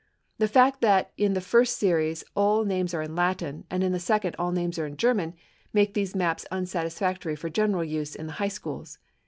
The fact that in the first series all names are in Latin, and in the second all names are in German, make these maps unsatisfactory for general use in the high schools.